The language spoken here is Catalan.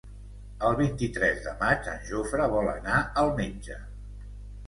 El vint-i-tres de maig en Jofre vol anar al metge.